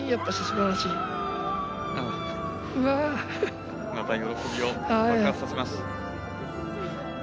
また喜びを爆発させています。